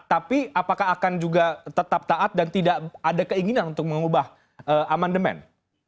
tapi apakah akan juga tetap taat dan tidak ada keinginan untuk mengubah amandemen